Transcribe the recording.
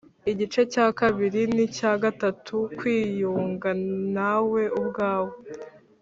igice cya kabiri n’icya gatatu kwiyunga nawe ubwawe